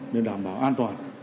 để đảm bảo an toàn